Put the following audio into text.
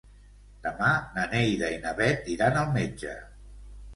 Demà na Neida i na Bet iran al metge.